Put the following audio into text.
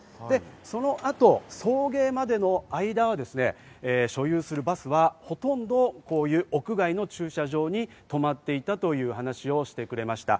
そのあと送迎までの間は所有するバスはほとんどこういう屋外の駐車場に止まっていたという話をしてくれました。